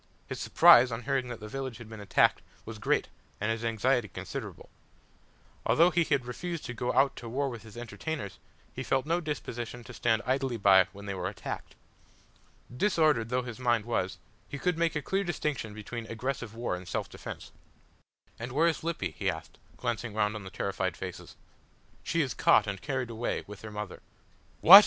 His surprise on hearing that the village had been attacked was great and his anxiety considerable. Although he had refused to go out to war with his entertainers, he felt no disposition to stand idly by when they were attacked. Disordered though his mind was, he could make a clear distinction between aggressive war and self defence. "And where is Lippy?" he asked, glancing round on the terrified faces. "She is caught and carried away with her mother." "What!"